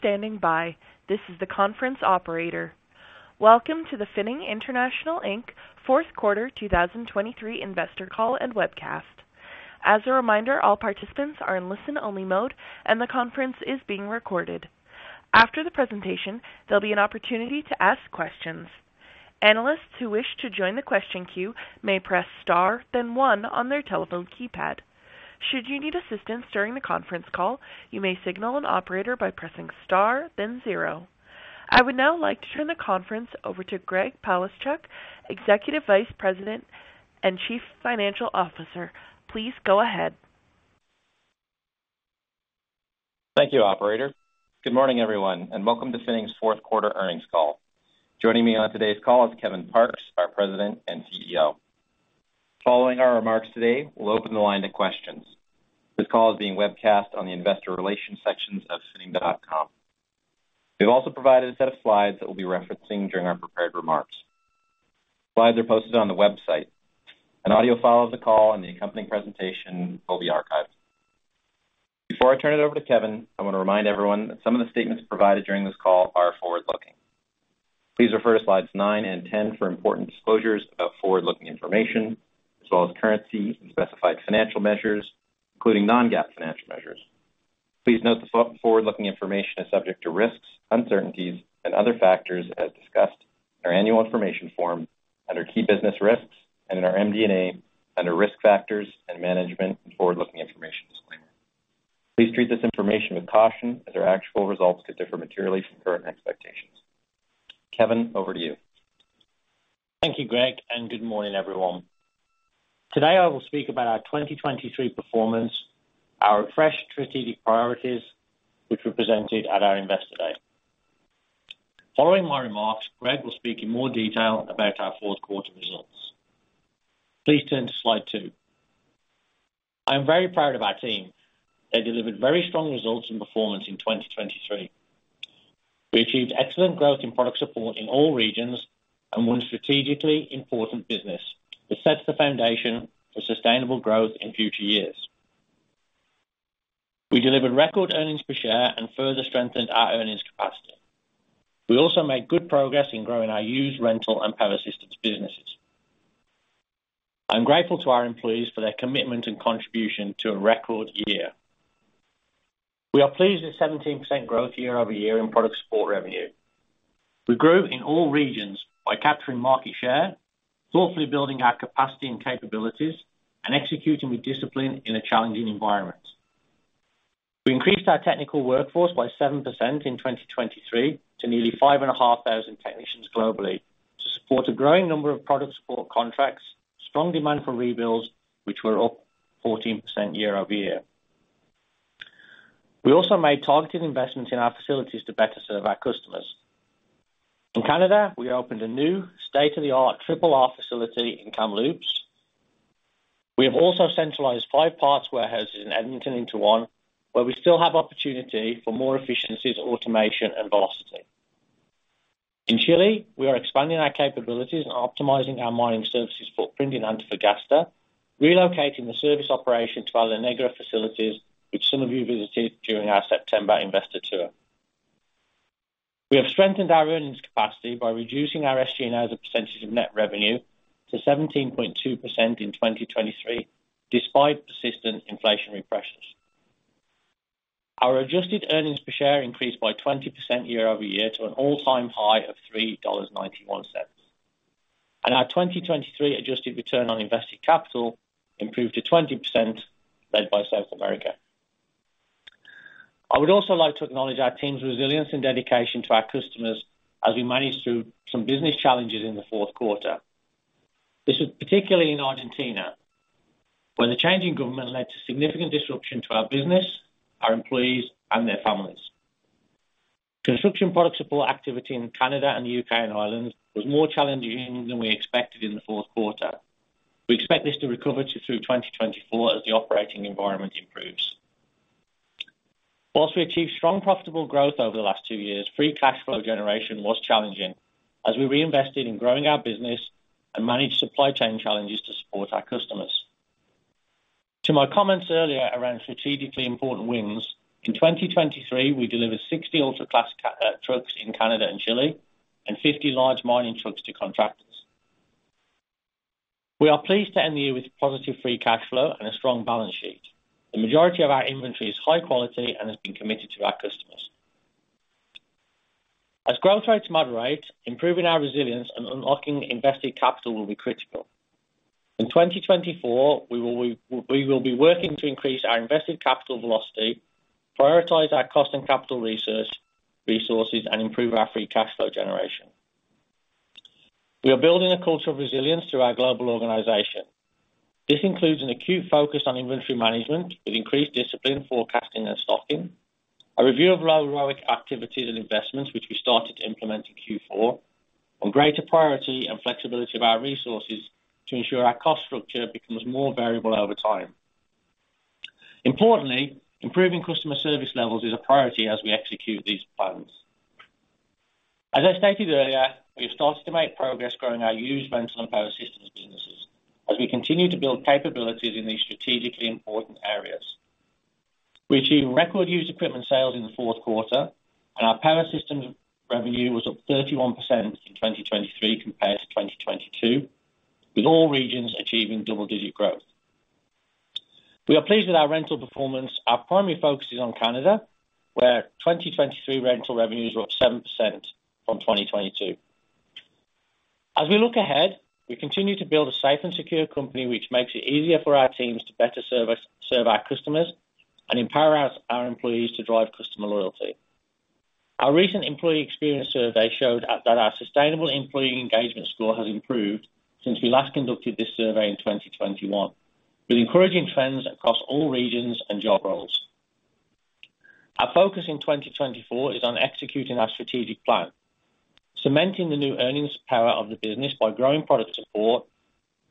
We're standing by. This is the conference operator. Welcome to the Finning International Inc. fourth quarter 2023 investor call and webcast. As a reminder, all participants are in listen-only mode, and the conference is being recorded. After the presentation, there'll be an opportunity to ask questions. Analysts who wish to join the question queue may press star, then one on their telephone keypad. Should you need assistance during the conference call, you may signal an operator by pressing star, then zero. I would now like to turn the conference over to Greg Palaschuk, Executive Vice President and Chief Financial Officer. Please go ahead. Thank you, operator. Good morning, everyone, and welcome to Finning's fourth quarter earnings call. Joining me on today's call is Kevin Parkes, our President and CEO. Following our remarks today, we'll open the line to questions. This call is being webcast on the investor relations sections of finning.com. We've also provided a set of slides that we'll be referencing during our prepared remarks. Slides are posted on the website. An audio file of the call and the accompanying presentation will be archived. Before I turn it over to Kevin, I want to remind everyone that some of the statements provided during this call are forward-looking. Please refer to slides nine and 10 for important disclosures about forward-looking information, as well as currency and specified financial measures, including non-GAAP financial measures. Please note the forward-looking information is subject to risks, uncertainties, and other factors as discussed in our annual information form under Key Business Risks and in our MD&A under Risk Factors and Management and Forward-Looking Information disclaimer. Please treat this information with caution, as our actual results could differ materially from current expectations. Kevin, over to you. Thank you, Greg, and good morning, everyone. Today, I will speak about our 2023 performance, our fresh strategic priorities, which were presented at our Investor Day. Following my remarks, Greg will speak in more detail about our fourth quarter results. Please turn to slide two. I am very proud of our team. They delivered very strong results and performance in 2023. We achieved excellent growth in product support in all regions and won strategically important business that sets the foundation for sustainable growth in future years. We delivered record earnings per share and further strengthened our earnings capacity. We also made good progress in growing our used rental and Power Systems businesses. I'm grateful to our employees for their commitment and contribution to a record year. We are pleased with 17% year-over-year growth in product support revenue. We grew in all regions by capturing market share, thoughtfully building our capacity and capabilities, and executing with discipline in a challenging environment. We increased our technical workforce by 7% in 2023 to nearly 5,500 technicians globally, to support a growing number of product support contracts, strong demand for rebuilds, which were up 14% year-over-year. We also made targeted investments in our facilities to better serve our customers. In Canada, we opened a new state-of-the-art Triple R facility in Kamloops. We have also centralized five parts warehouses in Edmonton into one, where we still have opportunity for more efficiencies, automation, and velocity. In Chile, we are expanding our capabilities and optimizing our mining services footprint in Antofagasta, relocating the service operation to our La Negra facilities, which some of you visited during our September investor tour. We have strengthened our earnings capacity by reducing our SG&A as a percentage of net revenue to 17.2% in 2023, despite persistent inflationary pressures. Our adjusted earnings per share increased by 20% year-over-year to an all-time high of 3.91 dollars, and our 2023 adjusted return on invested capital improved to 20%, led by South America. I would also like to acknowledge our team's resilience and dedication to our customers as we managed through some business challenges in the fourth quarter. This is particularly in Argentina, where the changing government led to significant disruption to our business, our employees, and their families. Construction product support activity in Canada and U.K. and Ireland was more challenging than we expected in the fourth quarter. We expect this to recover to through 2024 as the operating environment improves. While we achieved strong, profitable growth over the last two years, free cash flow generation was challenging as we reinvested in growing our business and managed supply chain challenges to support our customers. To my comments earlier around strategically important wins, in 2023, we delivered 60 ultra-class Cat trucks in Canada and Chile and 50 large mining trucks to contractors. We are pleased to end the year with positive free cash flow and a strong balance sheet. The majority of our inventory is high quality and has been committed to our customers. As growth rates moderate, improving our resilience and unlocking invested capital will be critical. In 2024, we will be, we will be working to increase our invested capital velocity, prioritize our cost and capital resource, resources, and improve our free cash flow generation. We are building a culture of resilience through our global organization. This includes an acute focus on inventory management, with increased discipline, forecasting, and stocking, a review of low ROIC activities and investments, which we started to implement in Q4, and greater priority and flexibility of our resources to ensure our cost structure becomes more variable over time. Importantly, improving customer service levels is a priority as we execute these plans. As I stated earlier, we have started to make progress growing our used rental and power systems businesses as we continue to build capabilities in these strategically important areas. We achieved record used equipment sales in the fourth quarter, and our power systems revenue was up 31% in 2023 compared to 2022, with all regions achieving double-digit growth. We are pleased with our rental performance. Our primary focus is on Canada, where 2023 rental revenues were up 7% from 2022. As we look ahead, we continue to build a safe and secure company, which makes it easier for our teams to better serve our customers and empower our, our employees to drive customer loyalty. Our recent employee experience survey showed that our sustainable employee engagement score has improved since we last conducted this survey in 2021, with encouraging trends across all regions and job roles. Our focus in 2024 is on executing our strategic plan, cementing the new earnings power of the business by growing product support,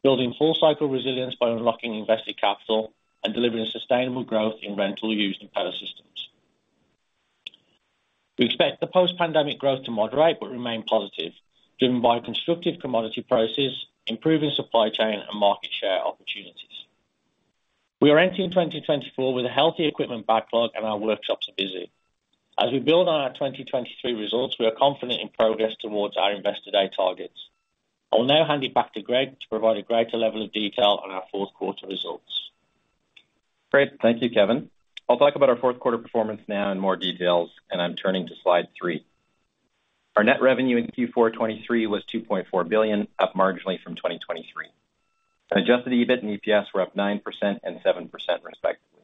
building full cycle resilience by unlocking invested capital, and delivering sustainable growth in rental, used, and power systems. We expect the post-pandemic growth to moderate but remain positive, driven by constructive commodity prices, improving supply chain and market share opportunities. We are entering 2024 with a healthy equipment backlog, and our workshops are busy. As we build on our 2023 results, we are confident in progress towards our Investor Day targets. I will now hand it back to Greg to provide a greater level of detail on our fourth quarter results. Great. Thank you, Kevin. I'll talk about our fourth quarter performance now in more details, and I'm turning to slide three. Our net revenue in Q4 2023 was 2.4 billion, up marginally from 2023. Adjusted EBIT and EPS were up 9% and 7%, respectively.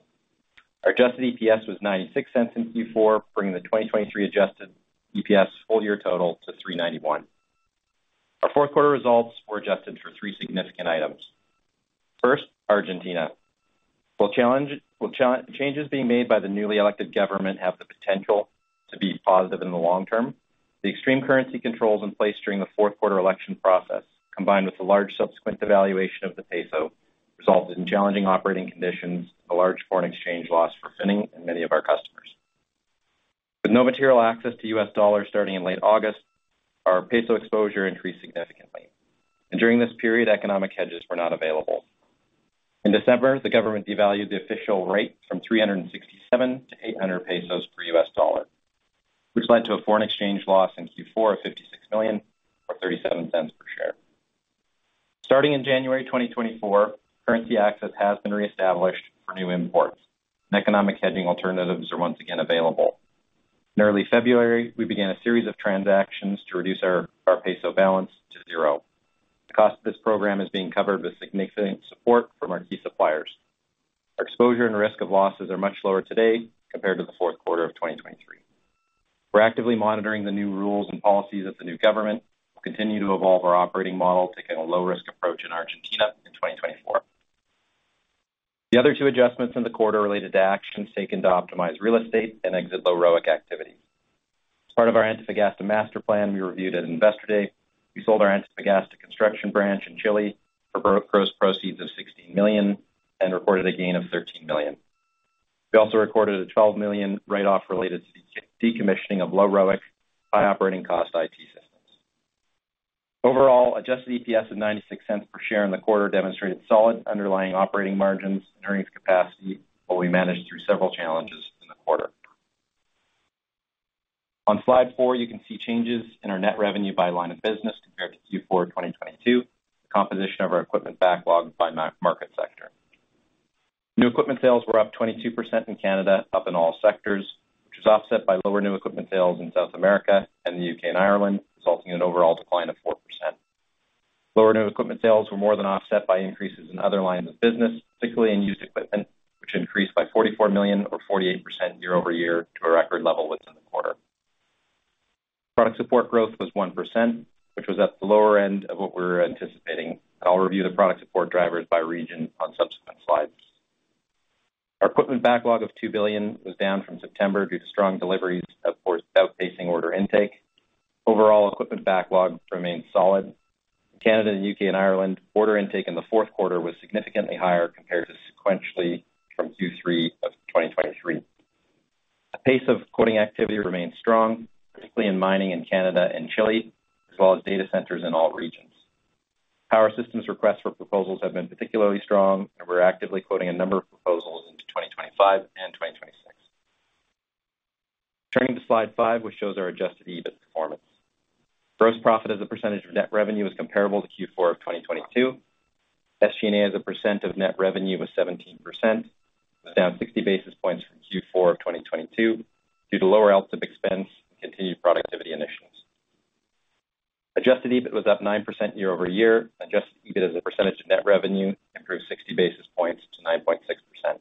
Our adjusted EPS was 0.96 in Q4, bringing the 2023 adjusted EPS full year total to 3.91. Our fourth quarter results were adjusted for three significant items. First, Argentina. While changes being made by the newly elected government have the potential to be positive in the long term, the extreme currency controls in place during the fourth quarter election process, combined with a large subsequent devaluation of the peso, resulted in challenging operating conditions, a large foreign exchange loss for Finning and many of our customers. With no material access to US dollars starting in late August, our peso exposure increased significantly, and during this period, economic hedges were not available. In December, the government devalued the official rate from 367 to 800 pesos per US dollar, which led to a foreign exchange loss in Q4 of 56 million, or 0.37 per share. Starting in January 2024, currency access has been reestablished for new imports, and economic hedging alternatives are once again available. In early February, we began a series of transactions to reduce our peso balance to zero. The cost of this program is being covered with significant support from our key suppliers. Our exposure and risk of losses are much lower today compared to the fourth quarter of 2023. We're actively monitoring the new rules and policies of the new government, continue to evolve our operating model, taking a low-risk approach in Argentina in 2024. The other two adjustments in the quarter related to actions taken to optimize real estate and exit low ROIC activity. As part of our Antofagasta master plan we reviewed at Investor Day, we sold our Antofagasta construction branch in Chile for gross proceeds of 16 million and reported a gain of 13 million. We also recorded a 12 million write-off related to the decommissioning of low ROIC, high operating cost IT systems. Overall, adjusted EPS of 0.96 per share in the quarter demonstrated solid underlying operating margins and earnings capacity, while we managed through several challenges in the quarter. On slide four, you can see changes in our net revenue by line of business compared to Q4 2022, the composition of our equipment backlog by market sector. New equipment sales were up 22% in Canada, up in all sectors, which was offset by lower new equipment sales in South America and the U.K. and Ireland, resulting in an overall decline of 4%. Lower new equipment sales were more than offset by increases in other lines of business, particularly in used equipment, which increased by 44 million or 48% year-over-year to a record level within the quarter. Product support growth was 1%, which was at the lower end of what we were anticipating. I'll review the product support drivers by region on subsequent slides. Our equipment backlog of 2 billion was down from September due to strong deliveries, of course, outpacing order intake. Overall, equipment backlogs remain solid. Canada and U.K. and Ireland, order intake in the fourth quarter was significantly higher compared to sequentially from Q3 of 2023. The pace of quoting activity remains strong, particularly in mining in Canada and Chile, as well as data centers in all regions. Power systems requests for proposals have been particularly strong, and we're actively quoting a number of proposals into 2025 and 2026. Turning to slide five, which shows our Adjusted EBIT performance. Gross profit as a percentage of net revenue is comparable to Q4 of 2022. SG&A as a percent of net revenue was 17%, down 60 basis points from Q4 of 2022 due to lower relative expense and continued productivity initiatives. Adjusted EBIT was up 9% year-over-year, Adjusted EBIT as a percentage of net revenue improved 60 basis points to 9.6%. In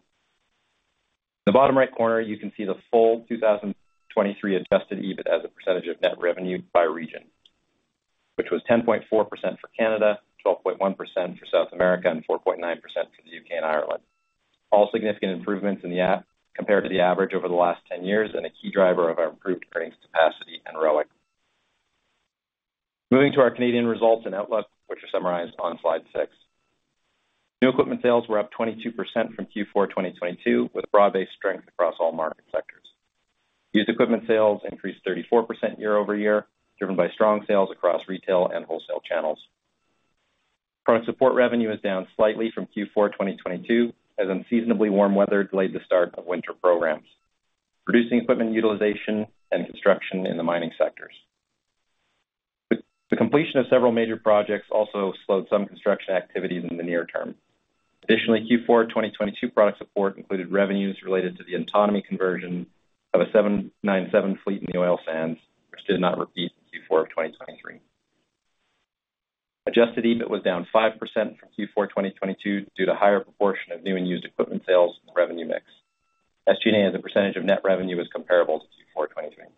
the bottom right corner, you can see the full 2023 Adjusted EBIT as a percentage of net revenue by region, which was 10.4% for Canada, 12.1% for South America, and 4.9% for the U.K. and Ireland. All significant improvements in the gap compared to the average over the last 10 years and a key driver of our improved earnings capacity and ROIC. Moving to our Canadian results and outlook, which are summarized on slide six. New equipment sales were up 22% from Q4 2022, with broad-based strength across all market sectors. Used equipment sales increased 34% year-over-year, driven by strong sales across retail and wholesale channels. Product support revenue is down slightly from Q4 2022, as unseasonably warm weather delayed the start of winter programs, reducing equipment utilization and construction in the mining sectors. The completion of several major projects also slowed some construction activities in the near term. Additionally, Q4 2022 product support included revenues related to the autonomy conversion of a 797 fleet in the oil sands, which did not repeat in Q4 of 2023. Adjusted EBIT was down 5% from Q4 2022 due to higher proportion of new and used equipment sales and revenue mix. SG&A, as a percentage of net revenue, was comparable to Q4 2022.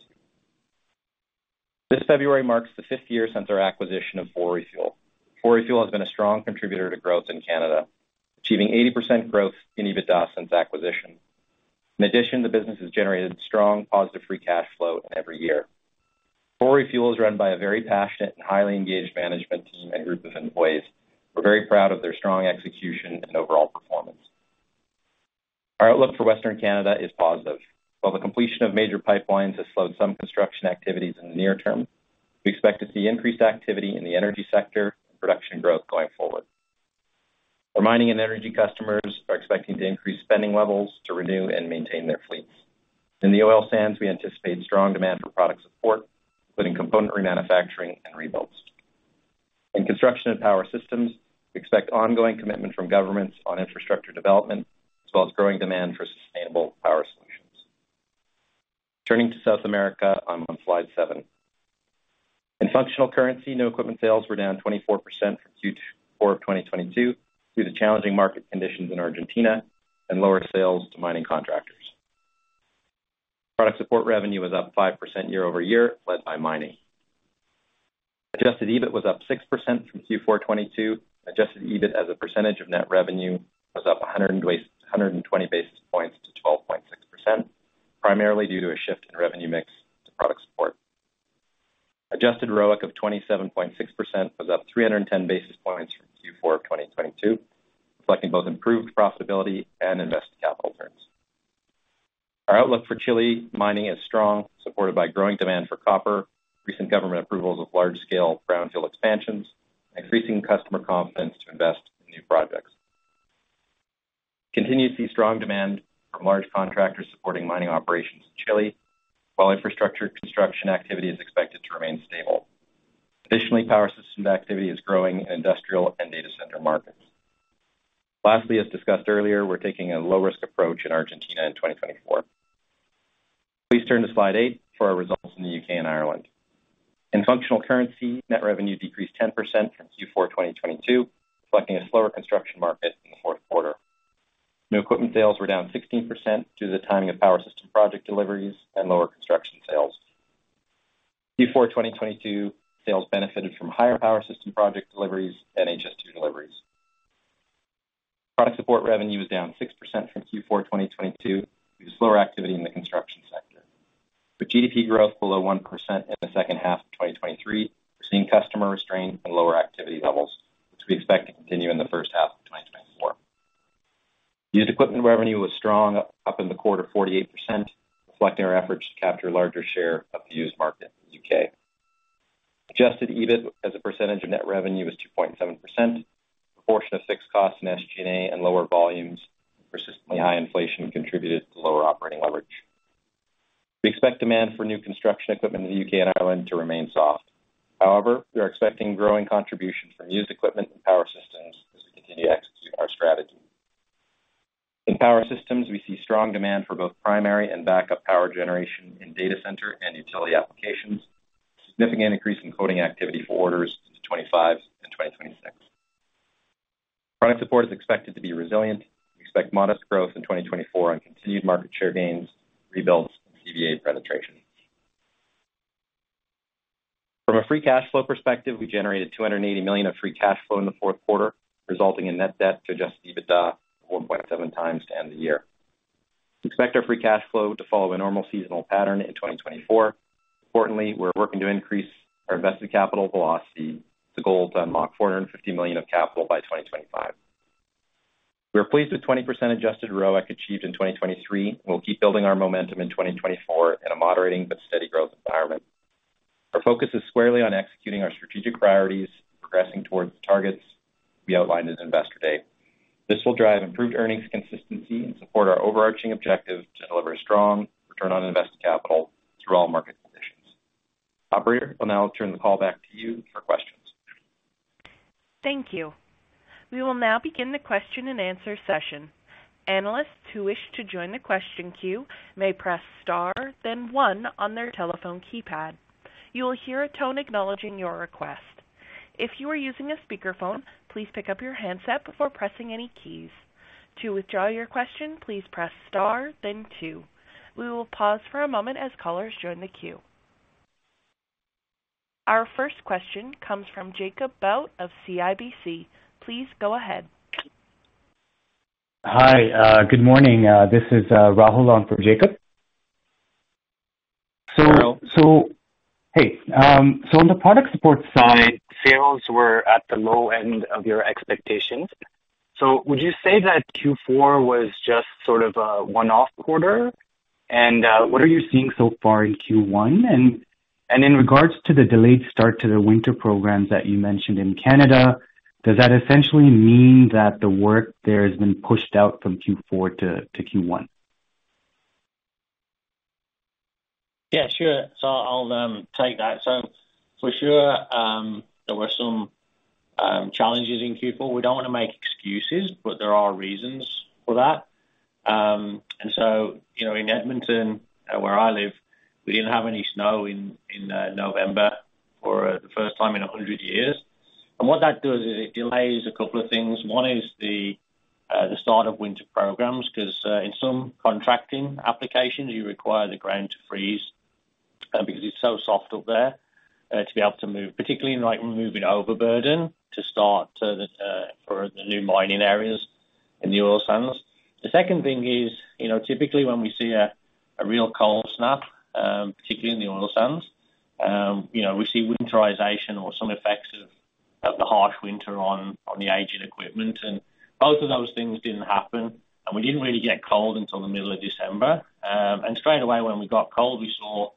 This February marks the fifth year since our acquisition of 4Refuel. 4Refuel has been a strong contributor to growth in Canada, achieving 80% growth in EBITDA since acquisition. In addition, the business has generated strong, positive free cash flow in every year. 4Refuel is run by a very passionate and highly engaged management team and group of employees. We're very proud of their strong execution and overall performance. Our outlook for Western Canada is positive. While the completion of major pipelines has slowed some construction activities in the near term, we expect to see increased activity in the energy sector and production growth going forward. Our mining and energy customers are expecting to increase spending levels to renew and maintain their fleets. In the oil sands, we anticipate strong demand for product support, including component remanufacturing and rebuilds. In construction and power systems, we expect ongoing commitment from governments on infrastructure development, as well as growing demand for sustainable power solutions. Turning to South America, I'm on slide seven. In functional currency, new equipment sales were down 24% from Q4 of 2022 due to challenging market conditions in Argentina and lower sales to mining contractors. Product support revenue was up 5% year-over-year, led by mining. Adjusted EBIT was up 6% from Q4 2022. Adjusted EBIT as a percentage of net revenue was up 120 basis points to 12.6%, primarily due to a shift in revenue mix to product support. Adjusted ROIC of 27.6% was up 310 basis points from Q4 of 2022, reflecting both improved profitability and invested capital returns. Our outlook for Chile mining is strong, supported by growing demand for copper, recent government approvals of large-scale brownfield expansions, and increasing customer confidence to invest in new projects. Continue to see strong demand from large contractors supporting mining operations in Chile, while infrastructure construction activity is expected to remain stable. Additionally, power system activity is growing in industrial and data center markets. Lastly, as discussed earlier, we're taking a low-risk approach in Argentina in 2024. Please turn to slide eight for our results in the U.K. and Ireland. In functional currency, net revenue decreased 10% from Q4 2022, reflecting a slower construction market in the fourth quarter. New equipment sales were down 16% due to the timing of power system project deliveries and lower construction sales. Q4 2022 sales benefited from higher power system project deliveries and HS2 deliveries. Product support revenue was down 6% from Q4 2022, due to slower activity in the construction sector. With GDP growth below 1% in the second half of 2023, we're seeing customer restraint and lower activity levels, which we expect to continue in the first half of 2024. Used equipment revenue was strong, up in the quarter 48%, reflecting our efforts to capture a larger share of the used market in the U.K. Adjusted EBIT as a percentage of net revenue was 2.7%. Proportion of fixed costs in SG&A and lower volumes, persistently high inflation contributed to lower operating leverage. We expect demand for new construction equipment in the UK and Ireland to remain soft. However, we are expecting growing contribution from used equipment and power systems as we continue to execute our strategy. In power systems, we see strong demand for both primary and backup power generation in data center and utility applications, significant increase in quoting activity for orders into 2025 and 2026. Product support is expected to be resilient. We expect modest growth in 2024 on continued market share gains, rebuilds, and CVA penetration. From a Free Cash Flow perspective, we generated 280 million of Free Cash Flow in the fourth quarter, resulting in Net Debt to Adjusted EBITDA of 4.7 times to end the year. We expect our Free Cash Flow to follow a normal seasonal pattern in 2024. Importantly, we're working to increase our invested capital velocity. The goal is to unlock 450 million of capital by 2025. We are pleased with 20% Adjusted ROIC achieved in 2023, and we'll keep building our momentum in 2024 in a moderating but steady growth environment. Our focus is squarely on executing our strategic priorities and progressing towards the targets we outlined as Investor Day. This will drive improved earnings consistency and support our overarching objective to deliver strong return on invested capital through all market conditions. Operator, we'll now turn the call back to you for questions. Thank you. We will now begin the question-and-answer session. Analysts who wish to join the question queue may press star then one on their telephone keypad. You will hear a tone acknowledging your request. If you are using a speakerphone, please pick up your handset before pressing any keys. To withdraw your question, please press star then two. We will pause for a moment as callers join the queue. Our first question comes from Jacob Bout of CIBC. Please go ahead. Hi, good morning. This is Rahul on for Jacob. So, hey, so on the product support side, sales were at the low end of your expectations. So would you say that Q4 was just sort of a one-off quarter? And, what are you seeing so far in Q1? And, in regards to the delayed start to the winter programs that you mentioned in Canada, does that essentially mean that the work there has been pushed out from Q4 to Q1? Yeah, sure. So I'll take that. So for sure, there were some challenges in Q4. We don't wanna make excuses, but there are reasons for that. And so, you know, in Edmonton, where I live, we didn't have any snow in November for the first time in 100 years. And what that does is it delays a couple of things. One is the start of winter programs, 'cause in some contracting applications, you require the ground to freeze because it's so soft up there to be able to move, particularly in, like, moving overburden to start to the for the new mining areas in the oil sands. The second thing is, you know, typically when we see a real cold snap, particularly in the oil sands, you know, we see winterization or some effects of the harsh winter on the aging equipment. And both of those things didn't happen, and we didn't really get cold until the middle of December. And straight away, when we got cold, we saw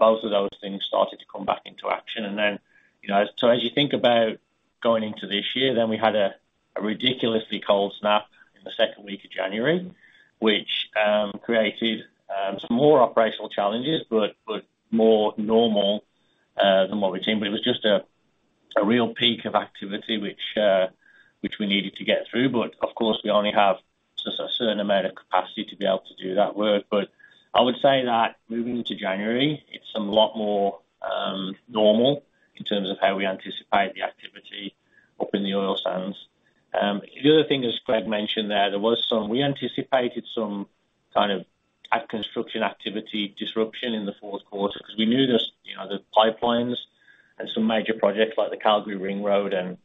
both of those things started to come back into action. And then, you know, so as you think about going into this year, then we had a ridiculously cold snap in the second week of January, which created some more operational challenges, but more normal than what we've seen. But it was just a real peak of activity which we needed to get through. But of course, we only have just a certain amount of capacity to be able to do that work. But I would say that moving into January, it's a lot more normal in terms of how we anticipate the activity up in the oil sands. The other thing, as Greg mentioned, we anticipated some kind of construction activity disruption in the fourth quarter because we knew this, you know, the pipelines and some major projects like the Calgary Ring Road and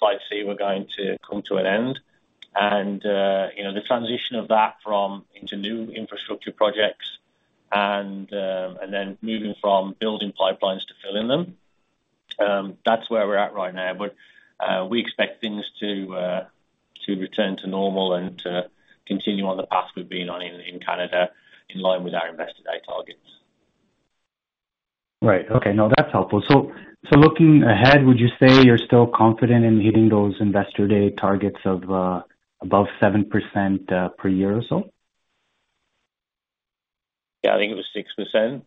Site C were going to come to an end. And, you know, the transition of that from into new infrastructure projects and then moving from building pipelines to filling them, that's where we're at right now. We expect things to return to normal and to continue on the path we've been on in Canada, in line with our Investor Day targets. Right. Okay. No, that's helpful. So, looking ahead, would you say you're still confident in hitting those Investor Day targets of above 7% per year or so? Yeah, I think it was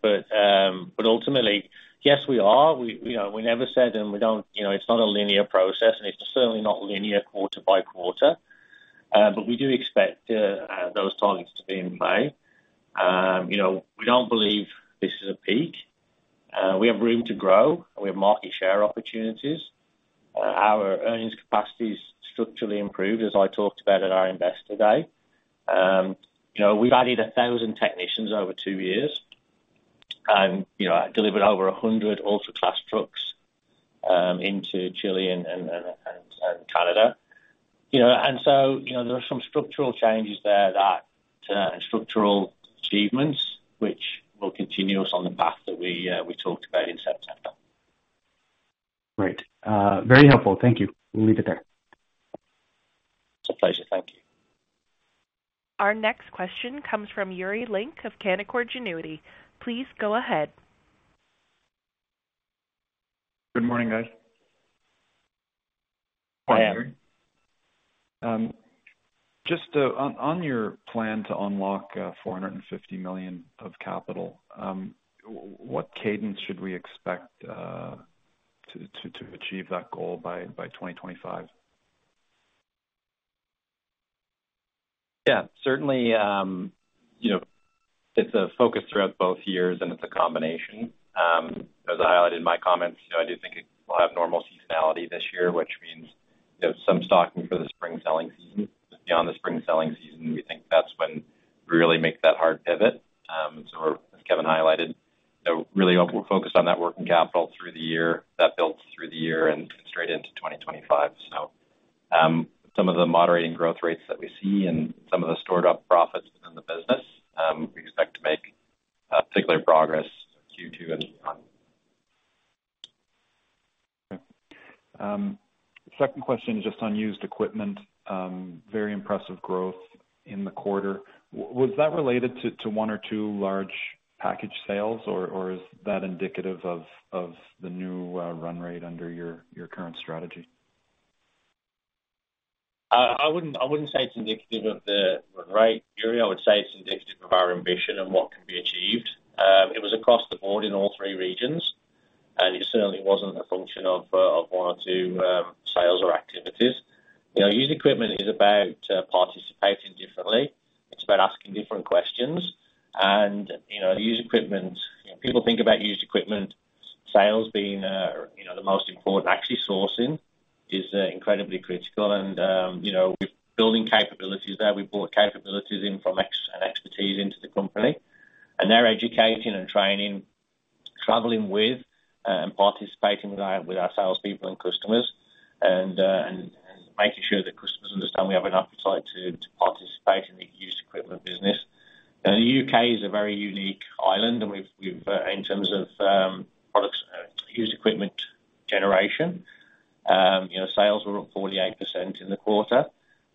6%. But ultimately, yes, we are. We, you know, we never said, and we don't, you know, it's not a linear process, and it's certainly not linear quarter by quarter. But we do expect those targets to be in play. You know, we don't believe this is a peak. We have room to grow, and we have market share opportunities. Our earnings capacity is structurally improved, as I talked about at our Investor Day. You know, we've added 1,000 technicians over two years, and, you know, delivered over 100 ultra class trucks into Chile and Canada. You know, and so, you know, there are some structural changes there that structural achievements, which will continue us on the path that we talked about in September. Great. Very helpful. Thank you. We'll leave it there. It's a pleasure. Thank you. Our next question comes from Yuri Lynk of Canaccord Genuity. Please go ahead. Good morning, guys. Hi, Yuri. Just on your plan to unlock 450 million of capital, what cadence should we expect to achieve that goal by 2025? Yeah, certainly, you know, it's a focus throughout both years, and it's a combination. As I highlighted in my comments, you know, I do think it will have normal seasonality this year, which means there's some stocking for the spring selling season. Beyond the spring selling season, we think that's when we really make that hard pivot. So as Kevin highlighted, so really focused on that working capital through the year, that builds through the year and straight into 2025. So, some of the moderating growth rates that we see and some of the stored up profits within the business, we expect to make particular progress Q2 as well. Okay. Second question, just on used equipment, very impressive growth in the quarter. Was that related to one or two large package sales, or is that indicative of the new run rate under your current strategy? I wouldn't, I wouldn't say it's indicative of the run rate, Yuri. I would say it's indicative of our ambition and what can be achieved. It was across the board in all three regions, and it certainly wasn't a function of one or two sales or activities. You know, used equipment is about participating differently. It's about asking different questions. And, you know, used equipment, people think about used equipment sales being, you know, the most important. Actually, sourcing is incredibly critical and, you know, we're building capabilities there. We've brought capabilities in from experts and expertise into the company, and they're educating and training, traveling with and participating with our, with our salespeople and customers, and, and making sure that customers understand we have an appetite to, to participate in the used equipment business. Now, the U.K. is a very unique island, and we've in terms of products used equipment generation, you know, sales were up 48% in the quarter,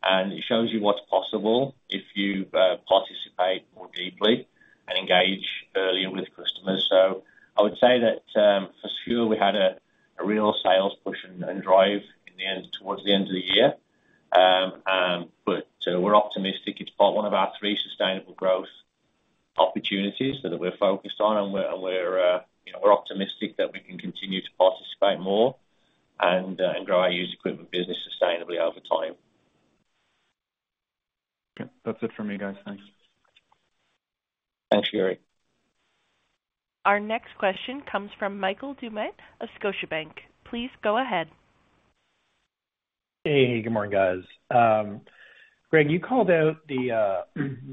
and it shows you what's possible if you participate more deeply and engage earlier with customers. So I would say that for sure, we had a real sales push and drive in the end, towards the end of the year. But we're optimistic. It's part one of our three sustainable growth opportunities so that we're focused on and we're, you know, we're optimistic that we can continue to participate more and grow our used equipment business sustainably over time. Okay. That's it for me, guys. Thanks. Thanks, Yuri. Our next question comes from Michael Doumet of Scotiabank. Please go ahead. Hey, good morning, guys. Greg, you called out the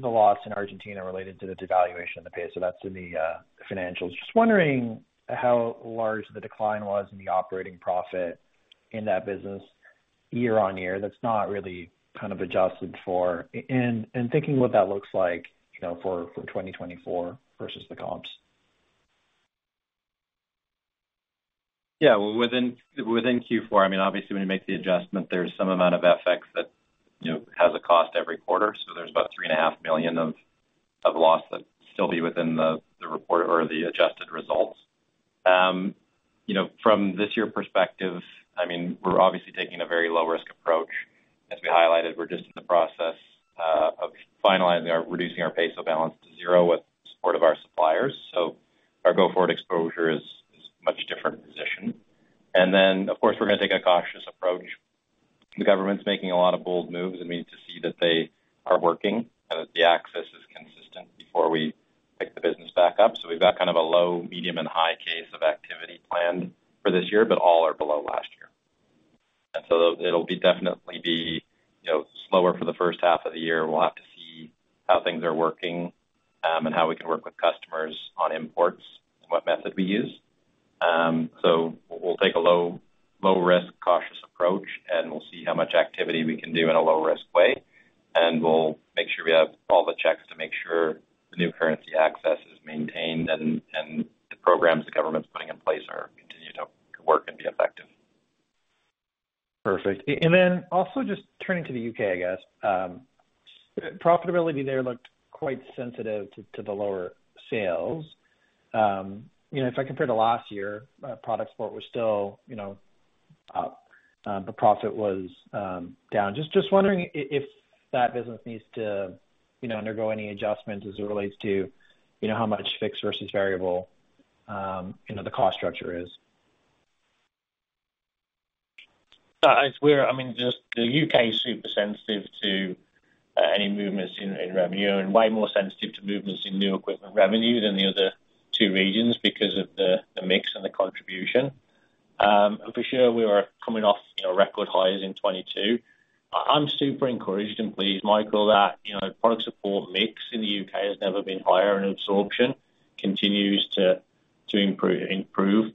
loss in Argentina related to the devaluation of the peso that's in the financials. Just wondering how large the decline was in the operating profit in that business year-on-year, that's not really kind of adjusted for? And thinking what that looks like, you know, for 2024 versus the comps. Yeah, well, within Q4, I mean, obviously, when you make the adjustment, there's some amount of FX that, you know, has a cost every quarter. So there's about 3.5 million of loss that still be within the report or the adjusted results. You know, from this year perspective, I mean, we're obviously taking a very low-risk approach. As we highlighted, we're just in the process of finalizing our reducing our peso balance to zero with support of our suppliers. So our go-forward exposure is much different position. And then, of course, we're gonna take a cautious approach. The government's making a lot of bold moves, and we need to see that they are working, and that the access is consistent before we pick the business back up. So we've got kind of a low, medium, and high case of activity planned for this year, but all are below last year. And so it'll definitely be, you know, slower for the first half of the year. We'll have to see how things are working, and how we can work with customers on imports and what method we use. So we'll take a low, low risk, cautious approach, and we'll see how much activity we can do in a low-risk way. And we'll make sure we have all the checks to make sure the new currency access is maintained and, and the programs the government's putting in place are, continue to work and be effective. Perfect. And then also just turning to the U.K., I guess. Profitability there looked quite sensitive to the lower sales. You know, if I compare to last year, product support was still, you know, up, but profit was down. Just wondering if that business needs to, you know, undergo any adjustments as it relates to, you know, how much fixed versus variable, you know, the cost structure is? It's where—I mean, just the U.K. is super sensitive to any movements in revenue and way more sensitive to movements in new equipment revenue than the other two regions because of the mix and the contribution. For sure, we are coming off, you know, record highs in 2022. I'm super encouraged and pleased, Michael, that, you know, product support mix in the U.K. has never been higher, and absorption continues to improve,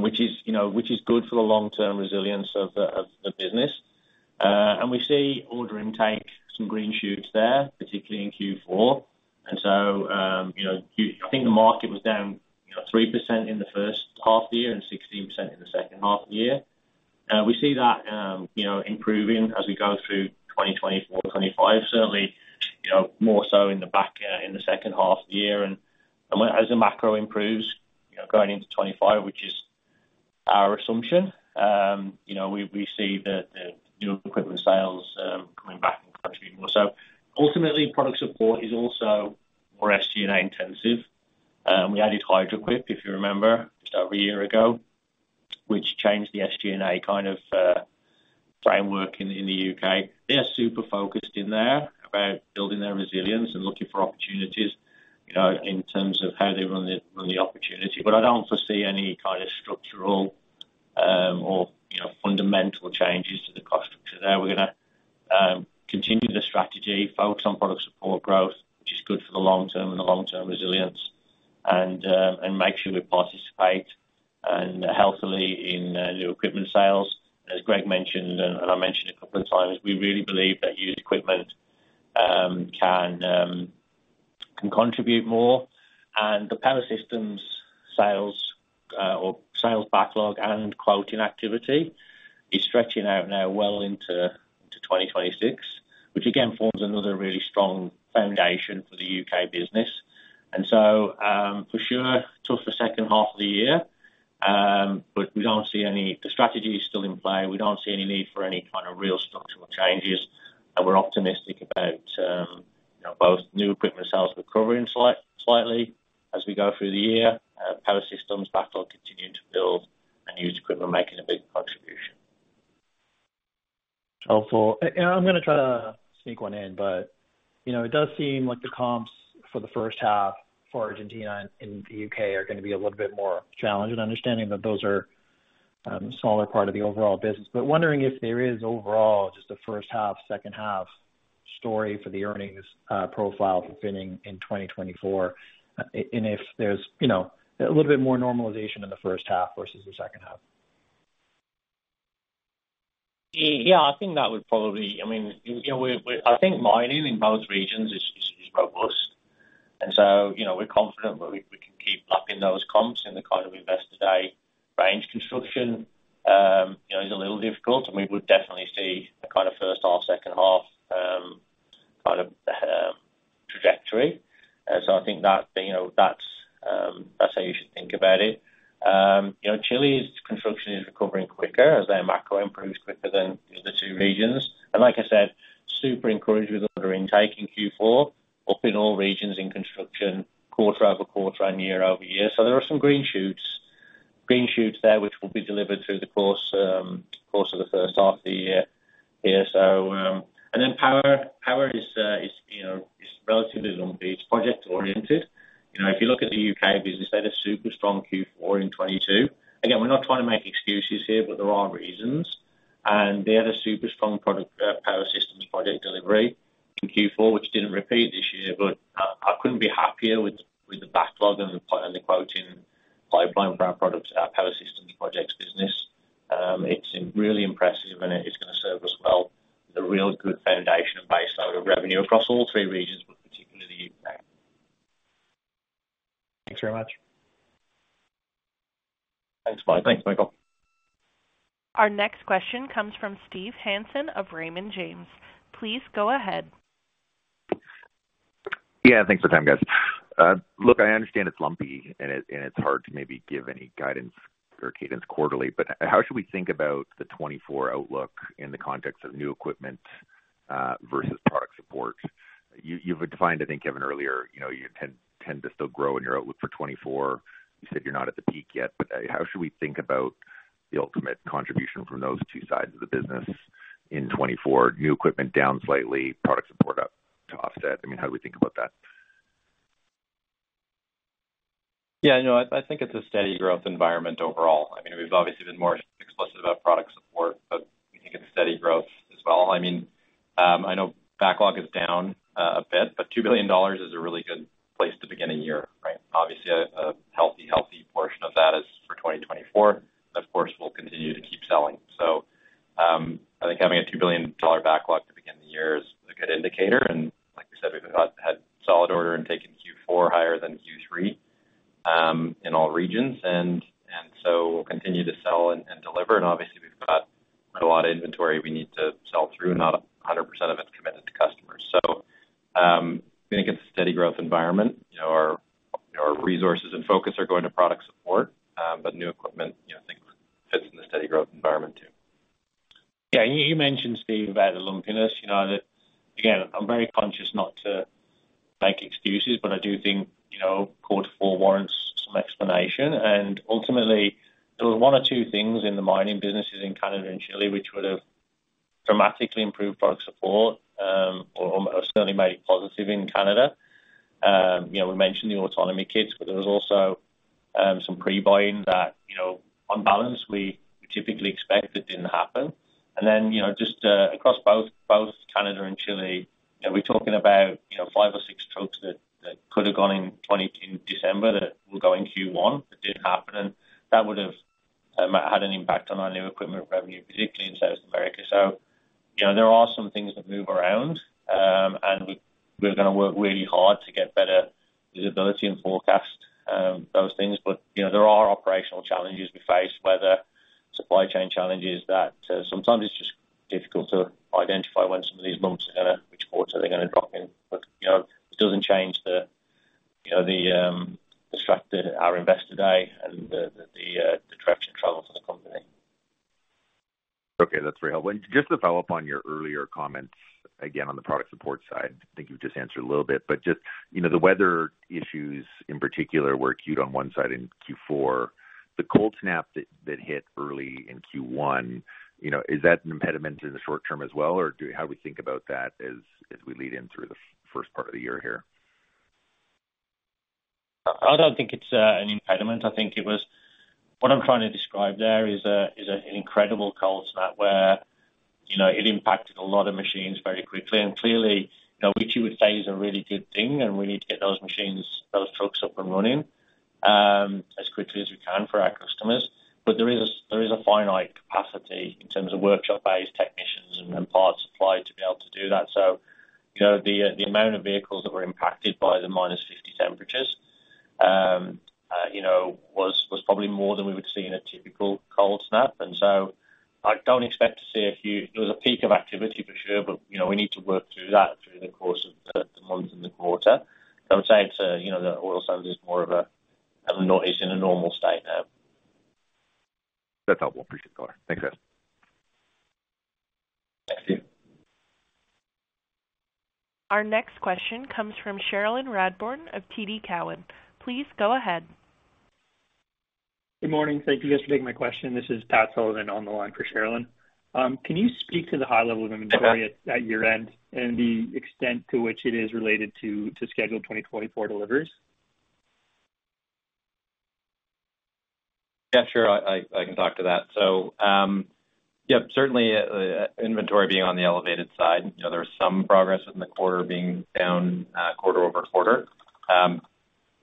which is, you know, which is good for the long-term resilience of the business. And we see order intake, some green shoots there, particularly in Q4. So, you know, you—I think the market was down, you know, 3% in the first half of the year and 16% in the second half of the year. We see that, you know, improving as we go through 2024, 2025, certainly, you know, more so in the back, in the second half of the year. And, as the macro improves, you know, going into 2025, which is our assumption, you know, we see the new equipment sales coming back and contributing more. So ultimately, product support is also more SG&A intensive. We added Hydraquip, if you remember, just over a year ago, which changed the SG&A kind of framework in the U.K. They are super focused in there about building their resilience and looking for opportunities, you know, in terms of how they run the opportunity. But I don't foresee any kind of structural, or, you know, fundamental changes to the cost structure there. We're gonna continue the strategy, focus on product support growth, which is good for the long term and the long-term resilience, and make sure we participate healthily in new equipment sales. As Greg mentioned, and I mentioned a couple of times, we really believe that used equipment can contribute more. And the Power Systems sales or sales backlog and quoting activity is stretching out now well into 2026, which again forms another really strong foundation for the U.K. business. And so, for sure, tough the second half of the year, but we don't see any... The strategy is still in play. We don't see any need for any kind of real structural changes, and we're optimistic about, you know, both new equipment sales recovering slightly as we go through the year, Power Systems backlog continuing to build and used equipment making a big contribution. Helpful. And I'm gonna try to sneak one in, but, you know, it does seem like the comps for the first half for Argentina and the U.K. are gonna be a little bit more challenging, understanding that those are smaller part of the overall business. But wondering if there is overall just a first half, second half story for the earnings profile for Finning in 2024. And if there's, you know, a little bit more normalization in the first half versus the second half. Yeah, I think that would probably. I mean, you know, we, I think mining in both regions is robust. And so, you know, we're confident that we can keep upping those comps in the kind of Investor Day range. Construction, you know, is a little difficult, and we would definitely see a kind of first half, second half kind of trajectory. So I think that, you know, that's how you should think about it. You know, Chile's construction is recovering quicker as their macro improves quicker than the other two regions. And like I said, super encouraged with order intake in Q4, up in all regions in construction, quarter-over-quarter and year-over-year. So there are some green shoots, green shoots there, which will be delivered through the course of the first half of the year. Yeah, so, and then power, power is, you know, relatively lumpy. It's project oriented. You know, if you look at the U.K. business, they had a super strong Q4 in 2022. Again, we're not trying to make excuses here, but there are reasons. And they had a super strong product, power systems project delivery in Q4, which didn't repeat this year. But I couldn't be happier with the backlog and the quoting pipeline for our products, our power systems projects business. It's really impressive, and it is gonna serve us well. With a real good foundation and base out of revenue across all three regions, but particularly the U.K. Thanks very much. Thanks, Mike. Thanks, Michael. Our next question comes from Steve Hansen of Raymond James. Please go ahead. Yeah, thanks for the time, guys. Look, I understand it's lumpy and it, and it's hard to maybe give any guidance or cadence quarterly, but how should we think about the 2024 outlook in the context of new equipment versus product support? You, you've defined, I think, Kevin earlier, you know, you tend, tend to still grow in your outlook for 2024. You said you're not at the peak yet, but how should we think about the ultimate contribution from those two sides of the business in 2024? New equipment down slightly, product support up to offset. I mean, how do we think about that? Yeah, you know, I think it's a steady growth environment overall. I mean, we've obviously been more explicit about product support, but we think it's steady growth as well. I mean, I know backlog is down a bit, but 2 billion dollars is a really good place to begin a year, right? Obviously, a healthy portion of that is for 2024. Of course, we'll continue to keep selling. So, I think having a 2 billion dollar backlog to begin the year is a good indicator, and like we said, we've had solid order intake in Q4, higher than Q3, in all regions. And so we'll continue to sell and deliver. And obviously, we've got a lot of inventory we need to sell through. Not 100% of it's committed to customers. I think it's a steady growth environment. You know, our resources and focus are going to product support, but new equipment, you know, I think fits in the steady growth environment, too. Yeah, you mentioned, Steve, about the lumpiness. You know, again, I'm very conscious not to make excuses, but I do think, you know, quarter four warrants some explanation, and ultimately, there were one or two things in the mining businesses in Canada and Chile, which would have dramatically improved product support, or certainly made it positive in Canada. You know, we mentioned the autonomy kits, but there was also some pre-buying that, you know, on balance, we typically expect it didn't happen. And then, you know, just across both Canada and Chile, you know, we're talking about, you know, five or six trucks that could have gone in December 2022, that will go in Q1. It didn't happen, and that would have had an impact on our new equipment revenue, particularly in South America. So, you know, there are some things that move around, and we, we're gonna work really hard to get better visibility and forecast those things. But, you know, there are operational challenges we face, whether supply chain challenges, that sometimes it's just difficult to identify when some of these bumps are gonna—which ports are they gonna drop in. But, you know, it doesn't change the, you know, the strategy at our Investor Day and the traction travel for the company. Okay, that's very helpful. And just to follow up on your earlier comments, again, on the product support side, I think you've just answered a little bit, but just, you know, the weather issues in particular were acute on one side in Q4. The cold snap that hit early in Q1, you know, is that an impediment in the short term as well, or how do we think about that as we lead in through the first part of the year here? I don't think it's an impediment. I think it was... What I'm trying to describe there is an incredible cold snap where, you know, it impacted a lot of machines very quickly. And clearly, you know, which you would say is a really good thing, and we need to get those machines, those trucks up and running as quickly as we can for our customers. But there is a finite capacity in terms of workshop-based technicians and parts supply to be able to do that. So, you know, the amount of vehicles that were impacted by the -50 temperatures, you know, was probably more than we would see in a typical cold snap. And so I don't expect to see a huge, there was a peak of activity for sure, but, you know, we need to work through that through the course of the months in the quarter. So I'd say it's a, you know, the oil service is more of a noise in a normal state now. That's helpful. Appreciate it, guys. Thanks, guys. Thanks, Steve. Our next question comes from Cherilyn Radbourne of TD Cowen. Please go ahead. Good morning. Thank you guys for taking my question. This is Pat Sullivan on the line for Cherilyn. Can you speak to the high level of inventory at year-end and the extent to which it is related to scheduled 2024 deliveries? Yeah, sure. I can talk to that. So, yep, certainly, inventory being on the elevated side, you know, there was some progress in the quarter being down quarter-over-quarter. A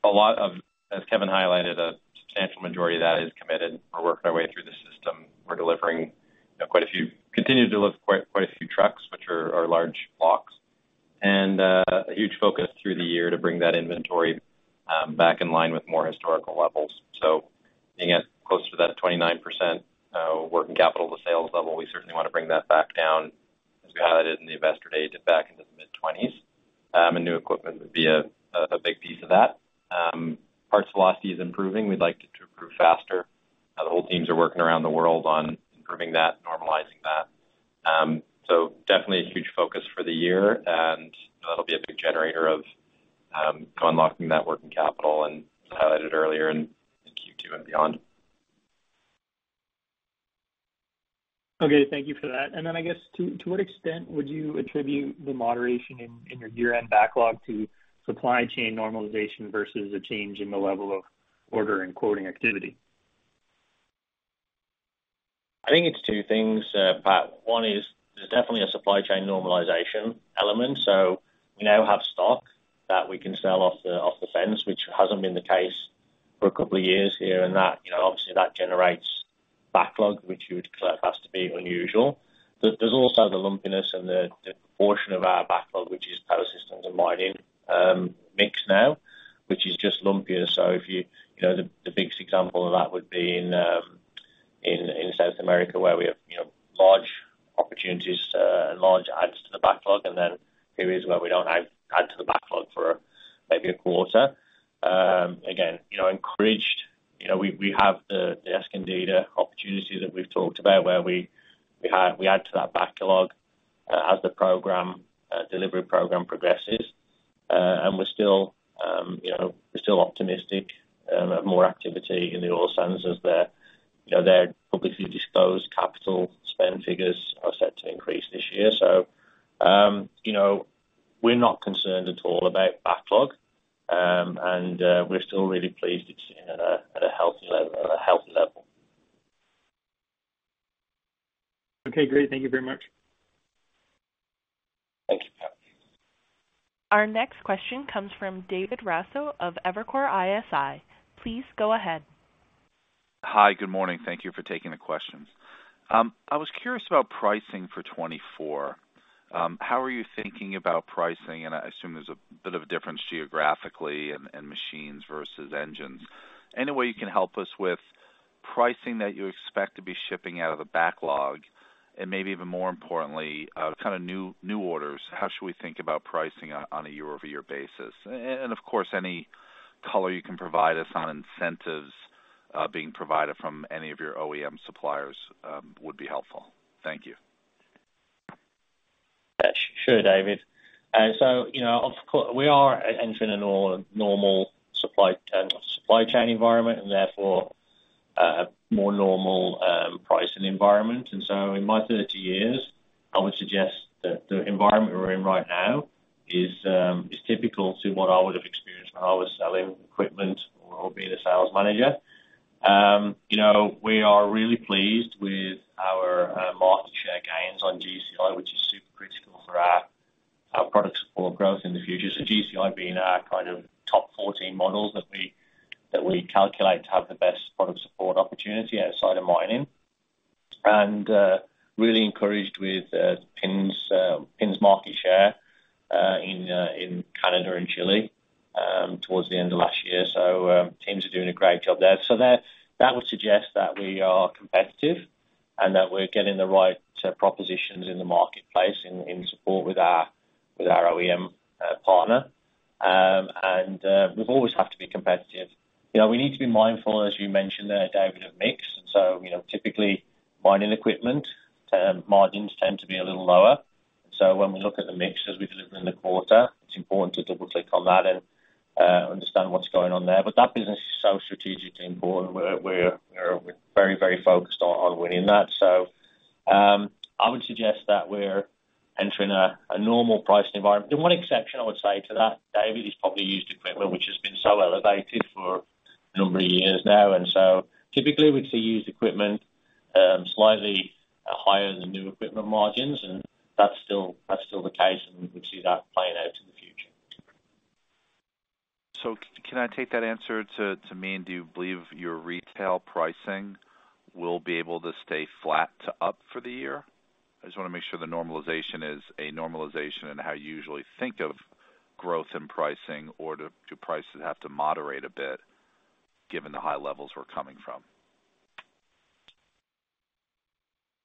lot of, as Kevin highlighted, a substantial majority of that is committed. We're working our way through the system. We're delivering, you know, quite a few and continue to deliver quite a few trucks, which are large blocks, and a huge focus through the year to bring that inventory back in line with more historical levels. So being at close to that 29% working capital to sales level, we certainly want to bring that back down, as guided in the Investor Day, back into the mid-20s. And new equipment would be a big piece of that. Parts velocity is improving. We'd like it to improve faster. The whole teams are working around the world on improving that, normalizing that. So definitely a huge focus for the year, and that'll be a big generator of unlocking that working capital and as I highlighted earlier, in Q2 and beyond. Okay, thank you for that. Then I guess, to what extent would you attribute the moderation in your year-end backlog to supply chain normalization versus a change in the level of order and quoting activity? I think it's two things, Pat. One is, there's definitely a supply chain normalization element. So we now have stock that we can sell off the shelf, which hasn't been the case for a couple of years here, and that, you know, obviously, that generates backlog, which you would declare has to be unusual. But there's also the lumpiness and the proportion of our backlog, which is power systems and mining mix now, which is just lumpier. So if you, you know, the biggest example of that would be in South America, where we have, you know, large opportunities to, and large adds to the backlog, and then periods where we don't have add to the backlog for maybe a quarter. Again, you know, encouraged, you know, we have the Escondida opportunity that we've talked about where we add to that backlog as the program delivery program progresses. And we're still, you know, we're still optimistic of more activity in the oil sands as their, you know, their publicly disclosed capital spend figures are set to increase this year. So, you know, we're not concerned at all about backlog. And we're still really pleased it's at a healthy level, at a healthy level. Okay, great. Thank you very much. Thank you, Pat. Our next question comes from David Raso of Evercore ISI. Please go ahead. Hi, good morning. Thank you for taking the questions. I was curious about pricing for 2024. How are you thinking about pricing? And I assume there's a bit of a difference geographically and machines versus engines. Any way you can help us with pricing that you expect to be shipping out of the backlog, and maybe even more importantly, kind of new orders, how should we think about pricing on a year-over-year basis? And of course, any color you can provide us on incentives being provided from any of your OEM suppliers would be helpful. Thank you. Yeah, sure, David. So, you know, of course, we are entering a normal supply chain environment, and therefore, a more normal pricing environment. And so in my 30 years, I would suggest that the environment we're in right now is typical to what I would have experienced when I was selling equipment or being a sales manager. You know, we are really pleased with our market share gains on GCI, which is super critical for our product support growth in the future. So GCI being our kind of top 14 models that we calculate to have the best product support opportunity outside of mining. And really encouraged with PINS market share in Canada and Chile towards the end of last year. So, teams are doing a great job there. So that would suggest that we are competitive and that we're getting the right set of propositions in the marketplace in support with our OEM partner. And we've always have to be competitive. You know, we need to be mindful, as you mentioned there, David, of mix. So, you know, typically, mining equipment margins tend to be a little lower. So when we look at the mix as we deliver in the quarter, it's important to double click on that and understand what's going on there. But that business is so strategically important. We're very, very focused on winning that. So, I would suggest that we're entering a normal pricing environment. The one exception I would say to that, David, is probably used equipment, which has been so elevated for a number of years now, and so typically, we see used equipment slightly higher than new equipment margins, and that's still, that's still the case, and we see that playing out in the future. So can I take that answer to mean, do you believe your retail pricing will be able to stay flat to up for the year? I just want to make sure the normalization is a normalization in how you usually think of growth in pricing, or do prices have to moderate a bit given the high levels we're coming from?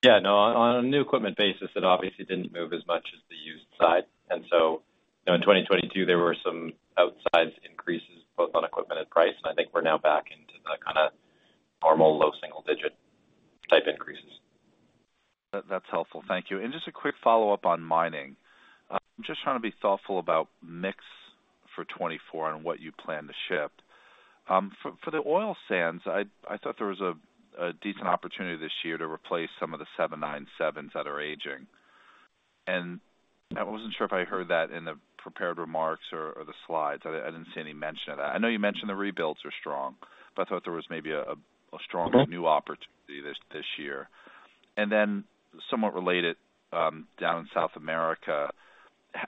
Yeah, no, on a new equipment basis, it obviously didn't move as much as the used side. And so, you know, in 2022, there were some outsized increases, both on equipment and price, and I think we're now back into the kind of normal low single digit type increases. That, that's helpful. Thank you. And just a quick follow-up on mining. I'm just trying to be thoughtful about mix for 2024 and what you plan to ship. For the oil sands, I thought there was a decent opportunity this year to replace some of the 797s that are aging. And I wasn't sure if I heard that in the prepared remarks or the slides. I didn't see any mention of that. I know you mentioned the rebuilds are strong, but I thought there was maybe a strong new opportunity this year. And then somewhat related, down in South America,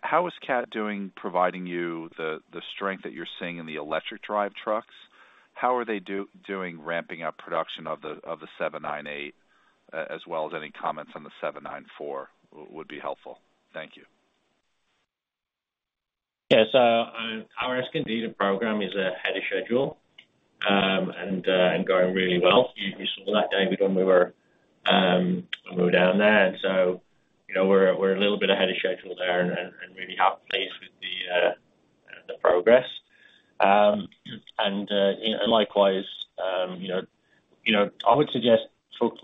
how is Cat doing, providing you the strength that you're seeing in the electric drive trucks? How are they doing ramping up production of the 798, as well as any comments on the 794 would be helpful? Thank you. Yes, so our Escondida program is ahead of schedule and going really well. You saw that, David, when we were down there. So, you know, we're a little bit ahead of schedule there and really happy with the progress. And likewise, you know, I would suggest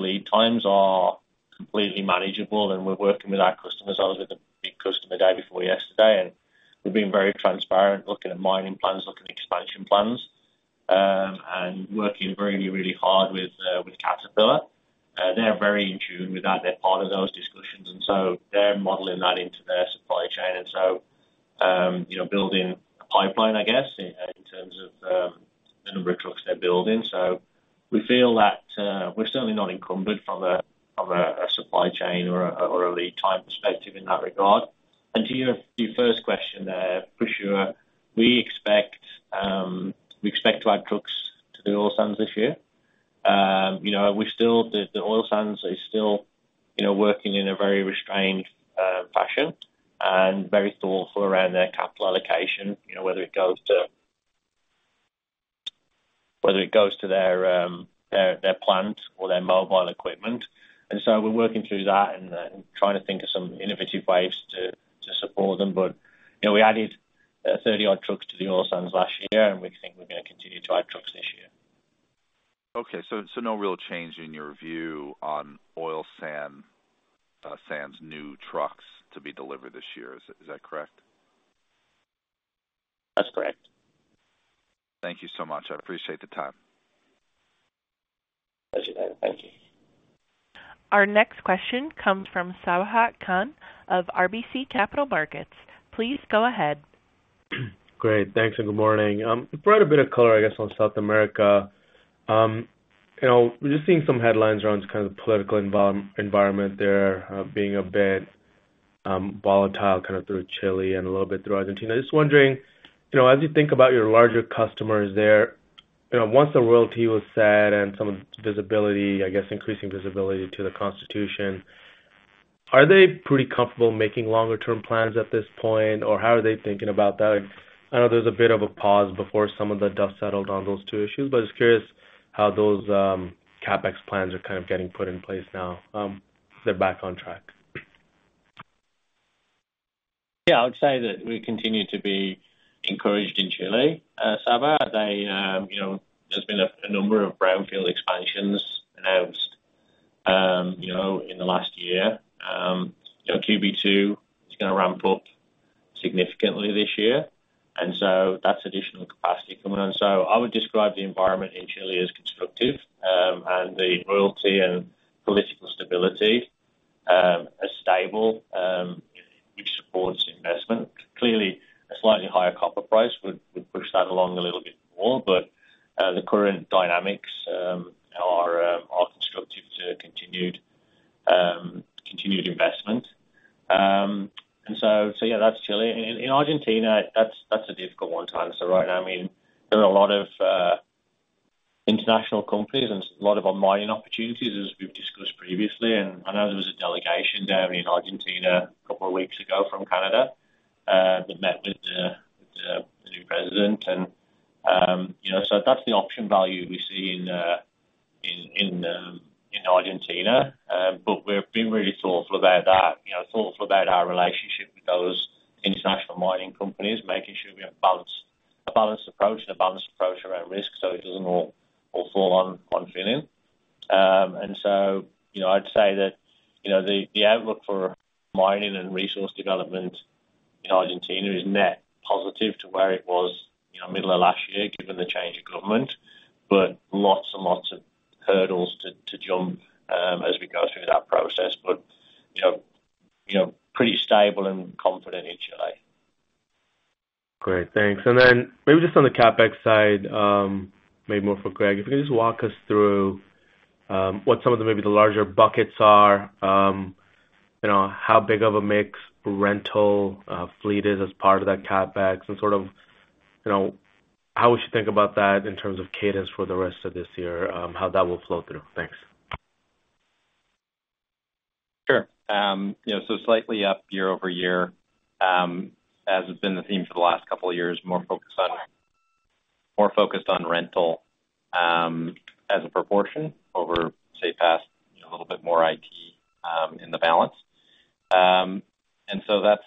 lead times are completely manageable, and we're working with our customers. I was with a big customer day before yesterday, and we've been very transparent, looking at mining plans, looking at expansion plans, and working really hard with Caterpillar. They're very in tune with that. They're part of those discussions, and so they're modeling that into their supply chain. You know, building a pipeline, I guess, in terms of the number of trucks they're building. So we feel that we're certainly not encumbered from a supply chain or a lead time perspective in that regard. And to your first question there, for sure, we expect to add trucks to the oil sands this year. You know, the oil sands is still working in a very restrained fashion and very thoughtful around their capital allocation, you know, whether it goes to their plant or their mobile equipment. And so we're working through that and trying to think of some innovative ways to support them. You know, we added 30-odd trucks to the oil sands last year, and we think we're gonna continue to add trucks this year. Okay, so no real change in your view on oil sands new trucks to be delivered this year. Is that correct? That's correct. Thank you so much. I appreciate the time. Pleasure, David. Thank you. Our next question comes from Sabahat Khan of RBC Capital Markets. Please go ahead. Great, thanks, and good morning. Provide a bit of color, I guess, on South America. You know, we're just seeing some headlines around kind of the political environment there, being a bit volatile, kind of through Chile and a little bit through Argentina. Just wondering, you know, as you think about your larger customers there, you know, once the royalty was set and some visibility, I guess, increasing visibility to the Constitution, are they pretty comfortable making longer term plans at this point, or how are they thinking about that? I know there's a bit of a pause before some of the dust settled on those two issues, but just curious how those CapEx plans are kind of getting put in place now, they're back on track. Yeah, I would say that we continue to be encouraged in Chile, Sabahat. They, you know, there's been a number of brownfield expansions announced, you know, in the last year. You know, QB2 is gonna ramp up significantly this year, and so that's additional capacity coming on. So I would describe the environment in Chile as constructive, and the royalty and political stability as stable, which supports investment. Clearly, a slightly higher copper price would push that along a little bit more, but the current dynamics are constructive to continued investment. And so, yeah, that's Chile. In Argentina, that's a difficult one time. So right now, I mean, there are a lot of international companies and a lot of mining opportunities, as we've discussed previously. I know there was a delegation down in Argentina a couple of weeks ago from Canada that met with the new president. You know, so that's the option value we see in Argentina. But we're being really thoughtful about that, you know, thoughtful about our relationship with those international mining companies, making sure we have a balanced, a balanced approach and a balanced approach around risk so it doesn't all, all fall on one Finning. So, you know, I'd say that the outlook for mining and resource development in Argentina is net positive to where it was, you know, middle of last year, given the change of government. But lots and lots of hurdles to jump as we go through that process. But, you know, you know, pretty stable and confident in Chile. Great. Thanks. And then maybe just on the CapEx side, maybe more for Greg, if you could just walk us through what some of the, maybe the larger buckets are. You know, how big of a mix rental fleet is as part of that CapEx and sort of, you know, how we should think about that in terms of cadence for the rest of this year, how that will flow through? Thanks. Sure. You know, so slightly up year-over-year, as has been the theme for the last couple of years, more focused on, more focused on rental, as a proportion over, say, past, a little bit more IT, in the balance. And so that's,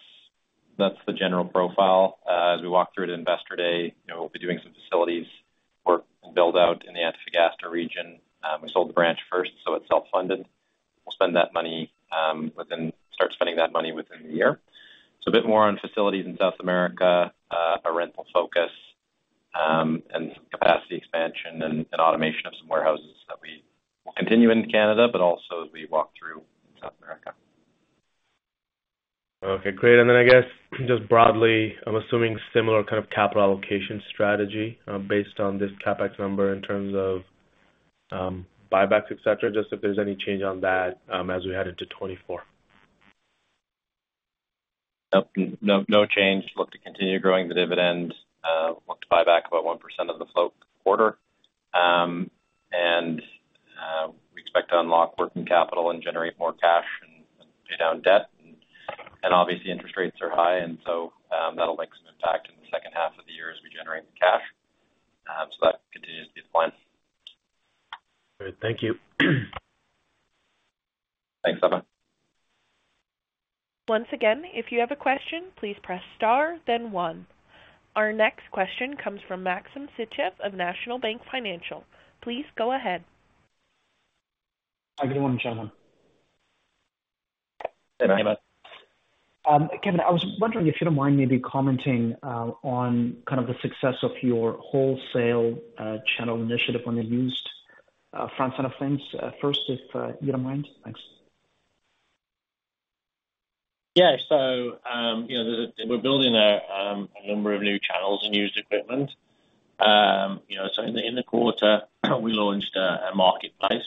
that's the general profile. As we walk through to Investor Day, you know, we'll be doing some facilities work and build out in the Antofagasta region. We sold the branch first, so it's self-funded. We'll spend that money, start spending that money within the year. So a bit more on facilities in South America, a rental focus, and capacity expansion and, and automation of some warehouses there continue in Canada, but also as we walk through North America. Okay, great. And then I guess just broadly, I'm assuming similar kind of capital allocation strategy, based on this CapEx number in terms of, buybacks, et cetera. Just if there's any change on that, as we head into 2024. Yep. No, no change. Look to continue growing the dividend, look to buy back about 1% of the float quarter. And we expect to unlock working capital and generate more cash and pay down debt. And obviously, interest rates are high, and so, that'll make some impact in the second half of the year as we generate the cash. So that continues to be the plan. Great. Thank you. Thanks, Sabahat. Once again, if you have a question, please press star, then one. Our next question comes from Maxim Sytchev of National Bank Financial. Please go ahead. Hi, good morning, gentlemen. Good morning. Hey, Max. Kevin, I was wondering if you don't mind maybe commenting on kind of the success of your wholesale channel initiative on the used front side of things first, if you don't mind? Thanks. Yeah. So, you know, we're building a number of new channels and used equipment. You know, so in the quarter, we launched a marketplace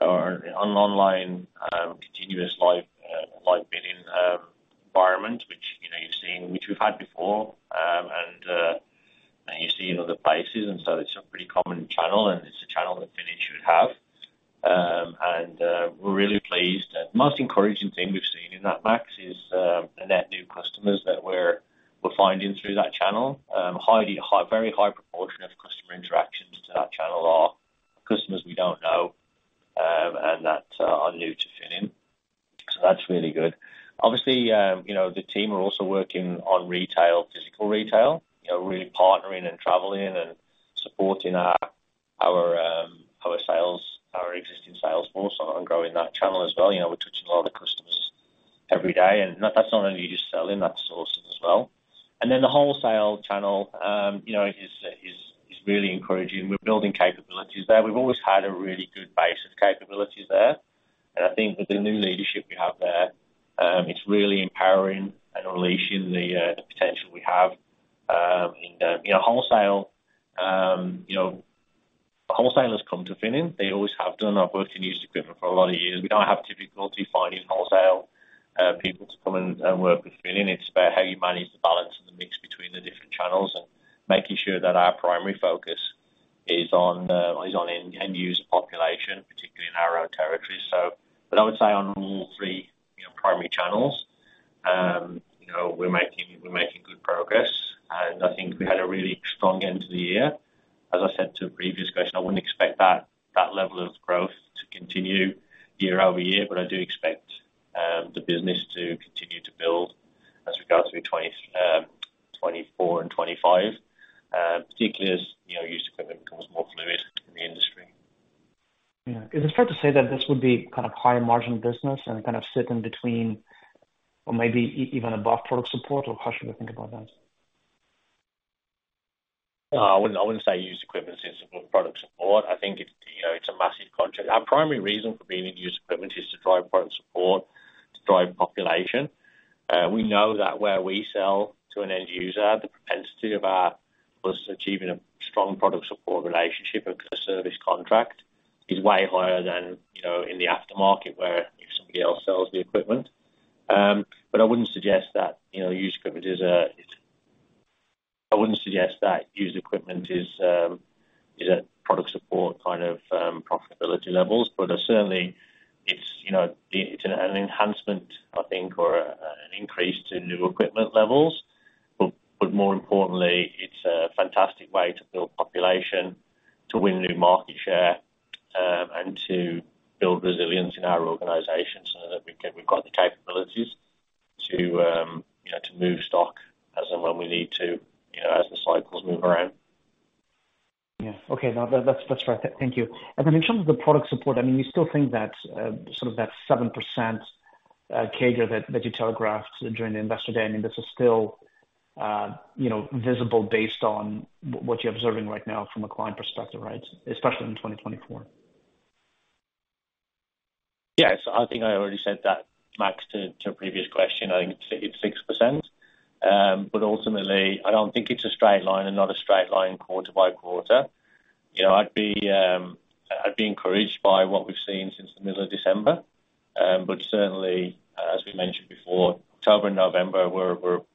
or an online continuous live bidding environment, which, you know, you've seen, which we've had before, and you see in other places. And so it's a pretty common channel, and it's a channel that Finning should have. And we're really pleased. And the most encouraging thing we've seen in that, Max, is the net new customers that we're finding through that channel. Very high proportion of customer interactions to that channel are customers we don't know, and that are new to Finning, so that's really good. Obviously, you know, the team are also working on retail, physical retail, you know, really partnering and traveling and supporting our sales, our existing sales force on growing that channel as well. You know, we're touching a lot of customers every day, and that's not only just selling, that's sourcing as well. And then the wholesale channel, you know, is really encouraging. We're building capabilities there. We've always had a really good base of capabilities there, and I think with the new leadership we have there, it's really empowering and unleashing the potential we have. And, you know, wholesale, you know, wholesalers come to Finning. They always have done. I've worked in used equipment for a lot of years. We don't have difficulty finding wholesale people to come and work with Finning. It's about how you manage the balance and the mix between the different channels, and making sure that our primary focus is on the, is on end user population, particularly in our own territories. So, but I would say on all three, you know, primary channels, you know, we're making, we're making good progress, and I think we had a really strong end to the year. As I said to a previous question, I wouldn't expect that, that level of growth to continue year-over-year, but I do expect, the business to continue to build as we go through 2024 and 2025, particularly as, you know, used equipment becomes more fluid in the industry. Yeah. Is it fair to say that this would be kind of higher margin business and kind of sit in between or maybe even above product support, or how should we think about that? No, I wouldn't say used equipment is product support. I think it's, you know, it's a massive contract. Our primary reason for being in used equipment is to drive product support, to drive population. We know that where we sell to an end user, the propensity of us achieving a strong product support relationship or a service contract is way higher than, you know, in the aftermarket, where somebody else sells the equipment. But I wouldn't suggest that, you know, used equipment is a product support kind of profitability levels, but certainly it's, you know, it's an enhancement, I think, or an increase to new equipment levels. But more importantly, it's a fantastic way to build population, to win new market share, and to build resilience in our organization so that we've got the capabilities to, you know, to move stock as and when we need to, you know, as the cycles move around. Yeah. Okay. No, that's, that's right. Thank you. And then in terms of the product support, I mean, you still think that sort of that 7% CAGR that you telegraphed during the Investor Day, I mean, this is still, you know, visible based on what you're observing right now from a client perspective, right? Especially in 2024. Yes, I think I already said that, Max, to a previous question. I think it's 6%. But ultimately, I don't think it's a straight line and not a straight line quarter by quarter. You know, I'd be encouraged by what we've seen since the middle of December, but certainly, as we mentioned before, October and November were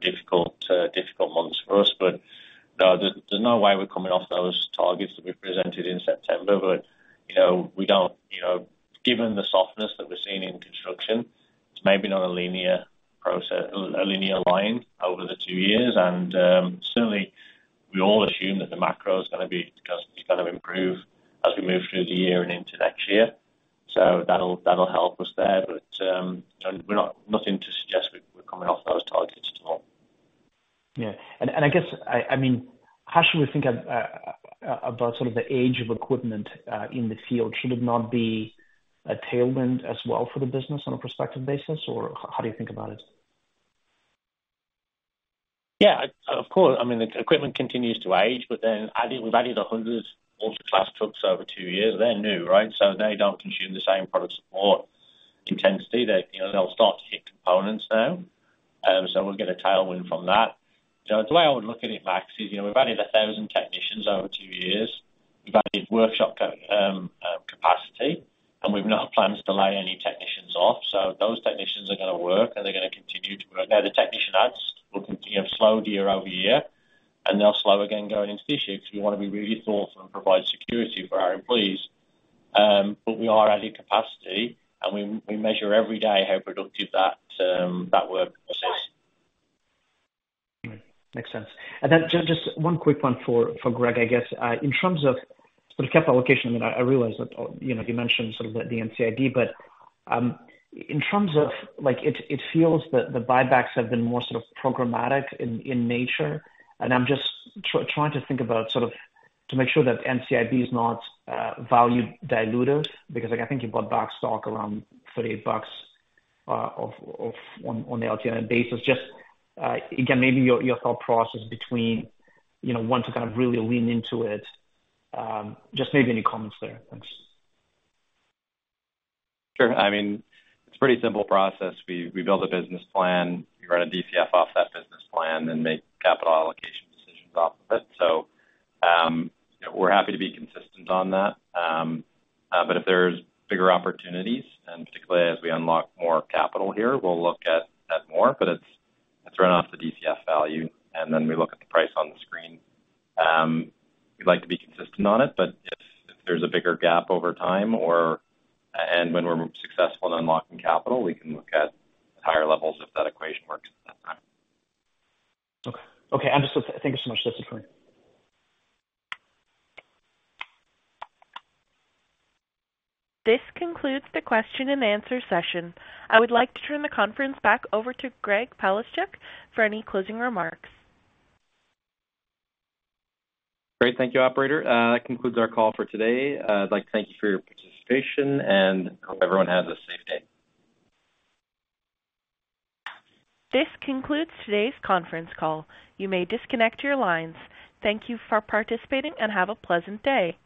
difficult months for us. But no, there's no way we're coming off those targets that we presented in September. But, you know, we don't, you know, given the softness that we're seeing in construction, it's maybe not a linear process, a linear line over the two years. And certainly, we all assume that the macro is gonna be, is gonna improve as we move through the year and into next year. So that'll help us there. But nothing to suggest we're coming off those targets at all. Yeah. And I guess, I mean, how should we think of about sort of the age of equipment in the field? Should it not be a tailwind as well for the business on a prospective basis, or how do you think about it? Yeah, of course. I mean, the equipment continues to age, but then adding, we've added 100 ultra class trucks over two years. They're new, right? So they don't consume the same product support intensity that, you know, they'll start to hit components now. So we'll get a tailwind from that. So the way I would look at it, Max, is, you know, we've added 1,000 technicians over two years. We've added workshop capacity, and we have no plans to lay any technicians off. So those technicians are gonna work, and they're gonna continue to work. Now, the technician adds will continue slow year-over-year, and they'll slow again going into fiscal, because we wanna be really thoughtful and provide security for our employees. But we are adding capacity, and we measure every day how productive that work is. Makes sense. Just one quick one for Greg, I guess. In terms of sort of capital allocation, I mean, I realize that, you know, you mentioned sort of the NCIB, but in terms of like, it feels that the buybacks have been more sort of programmatic in nature. And I'm just trying to think about, sort of, to make sure that NCIB is not value dilutive, because I think you bought back stock around 38 bucks on the LTM basis. Just again, maybe your thought process between, you know, want to kind of really lean into it, just maybe any comments there? Thanks. Sure. I mean, it's a pretty simple process. We, we build a business plan, we run a DCF off that business plan, then make capital allocation decisions off of it. So, we're happy to be consistent on that. But if there's bigger opportunities, and particularly as we unlock more capital here, we'll look at that more. But it's, it's run off the DCF value, and then we look at the price on the screen. We'd like to be consistent on it, but if, if there's a bigger gap over time, or and when we're successful in unlocking capital, we can look at higher levels if that equation works at that time. Okay. Okay, I'm just -- thank you so much. This is clear. This concludes the question and answer session. I would like to turn the conference back over to Greg Palaschuk for any closing remarks. Great. Thank you, operator. That concludes our call for today. I'd like to thank you for your participation, and hope everyone has a safe day. This concludes today's conference call. You may disconnect your lines. Thank you for participating, and have a pleasant day.